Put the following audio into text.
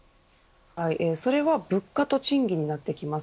それは物価と賃金になってきます。